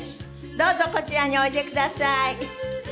どうぞこちらにおいでください。